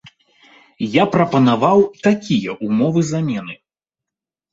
Я прапанаваў такія ўмовы замены.